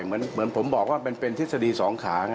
เหมือนผมบอกว่ามันเป็นทฤษฎีสองขาไง